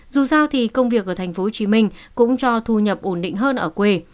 dù sao thì công việc ở tp hcm cũng cho thu nhập ổn định hơn ở quê